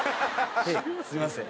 すみません。